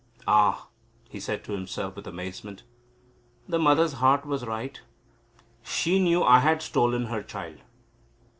"Ah," he said to himself with amazement, "the mother's heart was right. She knew I had stolen her child."